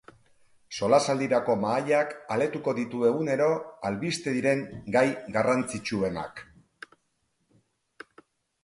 Solasaldirako mahaiak aletuko ditu egunero albiste diren gai garrantzitsuenak.